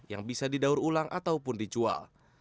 yang bisa didaur ulang ataupun dijual